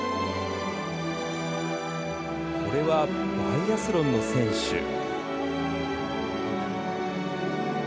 これはバイアスロンの選手。